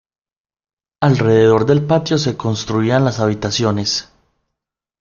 Alrededor del patio se construían las habitaciones.